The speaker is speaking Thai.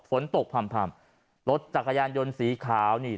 ฝนตกพ่ำรถจักรยานยนต์สีขาวนี่